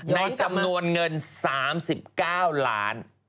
ในจำนวนเงิน๓๙ล้าน